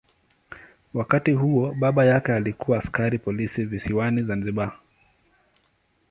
Wakati huo baba yake alikuwa askari polisi visiwani Zanzibar.